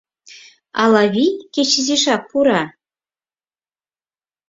Ала вий кеч изишак пура?